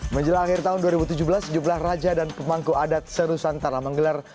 menjelang akhir tahun dua ribu tujuh belas jumlah raja dan pemangku adat serusantara menggelar